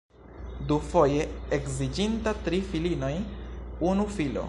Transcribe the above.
Dufoje edziĝinta, tri filinoj, unu filo.